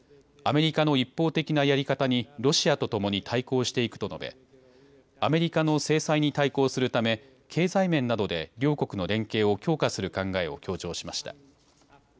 アメリカの一方的なやり方にロシアとともに対抗していくと述べアメリカの制裁に対抗するため経済面などで両国の連携を強化する考えを強調しました。